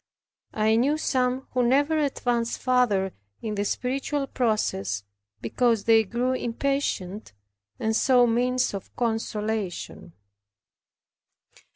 I knew some who never advanced farther in the spiritual process because they grew impatient, and sought means of consolation.